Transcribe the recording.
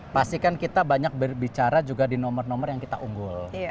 pastikan kita banyak berbicara juga di nomor nomor yang kita unggul